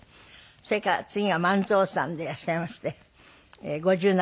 それから次が万蔵さんでいらっしゃいまして５７歳。